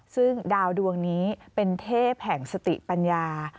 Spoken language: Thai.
ซึ่งดาวดวงนี้เป็นเทพแห่งสติปัญญา